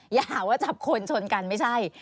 อย่าหาว่าจับคนชนกันไม่ใช่